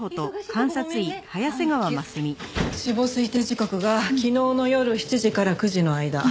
死亡推定時刻が昨日の夜７時から９時の間。